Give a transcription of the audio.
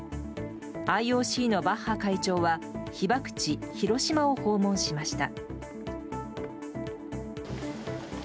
ＩＯＣのバッハ会長は被爆地・広島を訪問しました。